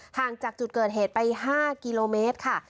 ห่างจากจุดเกิดเหตุไป๕กิโลเมตรค่ะ